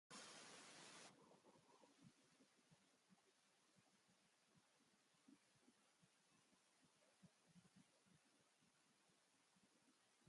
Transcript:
Zerbitzu mota horietako iragarkiak bilatzailearen diru-sarrera nagusienetariko bat bihurtu dira.